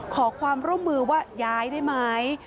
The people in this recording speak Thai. ขอความร่วมมือว่าย้ายได้ไหม